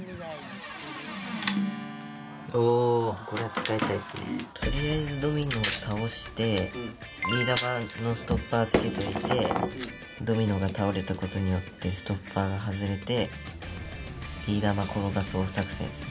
おーこれは使いたいっすねとりあえずドミノを倒してビー玉のストッパー付けといてドミノが倒れたことによってストッパーが外れてビー玉転がそう作戦ですね